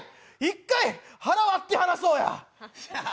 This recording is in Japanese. １回腹割って話そうや。